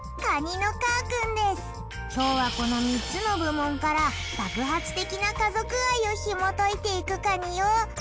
今日はこの３つの部門から爆発的な家族愛をひもといていくかによ。